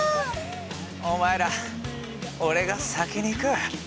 お前ら俺が先に行く。